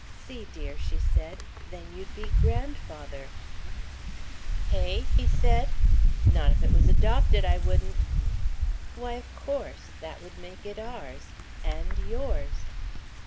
"See, dear," she said, "then you'd be grandfather." "Hey?" he said; "not if it was adopted, I wouldn't." "Why, of course. That would make it ours and yours.